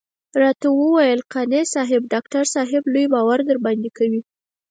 راته وويل قانع صاحب ډاکټر صاحب لوی باور درباندې کوي.